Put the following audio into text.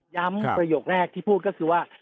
ประโยคแรกที่พูดก็คือว่า